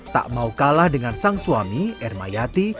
tak mau kalah dengan sang suami erma yati